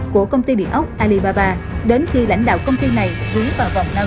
của công ty địa ốc alibaba đến khi lãnh đạo công ty này gửi vào vòng lao lý